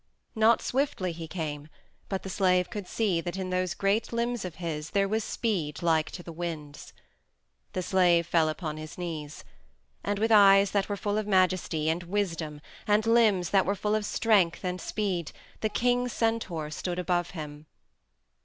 Not swiftly he came, but the slave could see that in those great limbs of his there was speed like to the wind's. The slave fell upon his knees. And with eyes that were full of majesty and wisdom and limbs that were full of strength and speed, the king centaur stood above him.